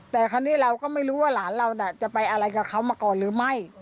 แต่คราวนี้เราก็ไม่รู้ว่าหลานเราจะไปอะไรกับเขามาก่อนหรือไม่